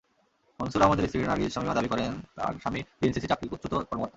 মুনসুর আহমেদের স্ত্রী নার্গিস শামিমা দাবি করেন, তাঁর স্বামী ডিএনসিসির চাকরিচ্যুত কর্মকর্তা।